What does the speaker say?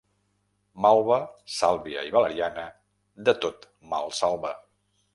Malva, sàlvia i valeriana, de tot mal salva.